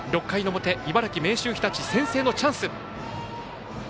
６回の表、茨城、明秀日立先制のチャンス。